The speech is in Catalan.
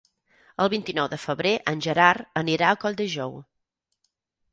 El vint-i-nou de febrer en Gerard anirà a Colldejou.